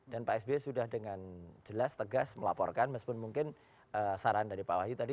dan pak sbi sudah dengan jelas tegas melaporkan meskipun mungkin saran dari pak wahyu tadi